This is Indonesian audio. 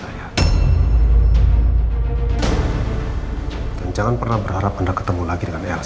saya tidak akan mengizinkan anda ketemu dengan istri saya